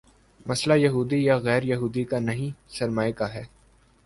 مسئلہ یہودی یا غیر یہودی کا نہیں، سرمائے کا ہے۔